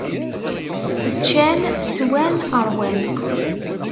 Ččan, swan, ṛwan.